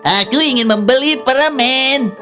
aku ingin membeli peramen